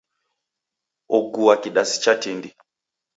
Ogua kidasi cha tindi.